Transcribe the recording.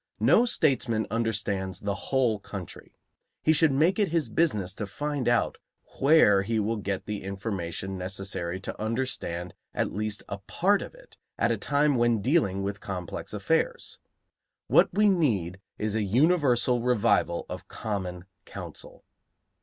No statesman understands the whole country. He should make it his business to find out where he will get the information necessary to understand at least a part of it at a time when dealing with complex affairs. What we need is a universal revival of common counsel.